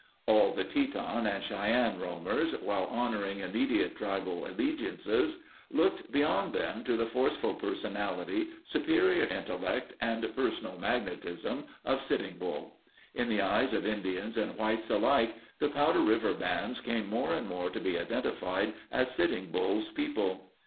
All the Teton and Cheyenne roamers, while honoring imme diate tribal allegiances, looked beyond them to the forceful personality, superior intellect, and personal magnetism of Sitting Bull. In the eyes of Indians and whites alike, the Powder River bands came more and more to be identified as Sitting Bull's people.